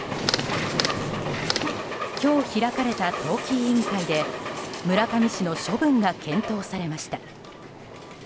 今日開かれた党紀委員会で村上氏の処分が検討されました。